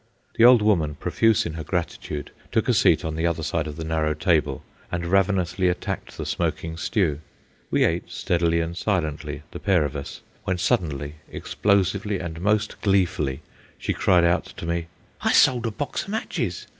The old woman, profuse in her gratitude, took a seat on the other side of the narrow table and ravenously attacked the smoking stew. We ate steadily and silently, the pair of us, when suddenly, explosively and most gleefully, she cried out to me,— "Hi sold a box o' matches!